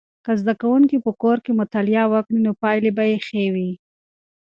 که زده کوونکي په کور کې مطالعه وکړي نو پایلې به یې ښې وي.